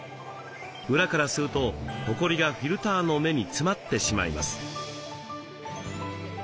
裏から吸うとホコリがフィルターの目に詰まってしまいます。